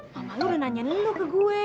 mama lu udah nanya nelu ke gue